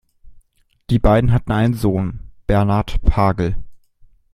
Die beiden hatten einen Sohn, Bernard Pagel.